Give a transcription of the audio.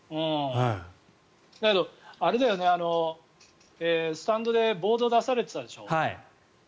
だけど、スタンドでボードを出されてたでしょう。